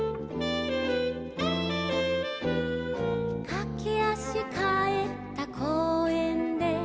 「かけ足かえった公園で」